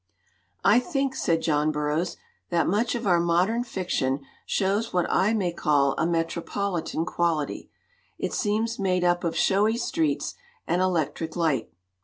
"I think," said John Burroughs, "that much of our modern fiction shows what I may call a metropolitan quality; it seems made up of showy streets and electric light.